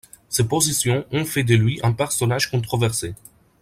Ses positions ont fait de lui un personnage controversé.